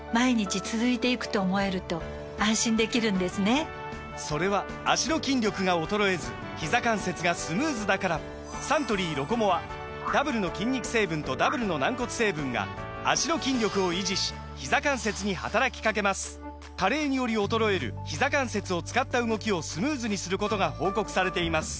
サントリー「ロコモア」・それは脚の筋力が衰えずひざ関節がスムーズだからサントリー「ロコモア」ダブルの筋肉成分とダブルの軟骨成分が脚の筋力を維持しひざ関節に働きかけます加齢により衰えるひざ関節を使った動きをスムーズにすることが報告されています